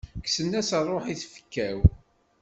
Kksen-as rruḥ i tfekka-w.